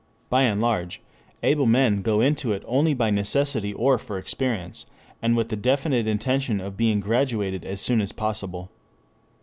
By and large, able men go into it only by necessity or for experience, and with the definite intention of being graduated as soon as possible.